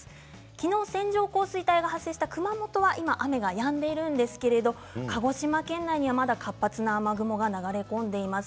昨日、線状降水帯が発生した熊本は今、雨がやんでいるんですが鹿児島県内には、まだ活発な雨雲が流れ込んでいます。